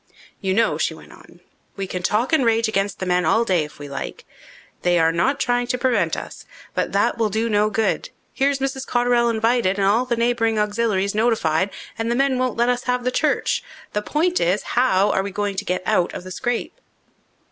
"You know," she went on, "we can talk and rage against the men all day if we like. They are not trying to prevent us. But that will do no good. Here's Mrs. Cotterell invited, and all the neighbouring auxiliaries notified and the men won't let us have the church. The point is, how are we going to get out of the scrape?"